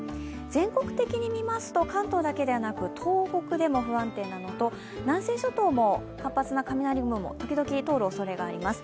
全国的に見ますと、関東だけでなく東北でも不安定なのと、南西諸島も活発な雷雲が時々通るおそれがあります。